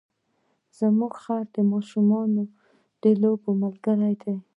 زموږ خر د ماشومانو د لوبو ملګری دی.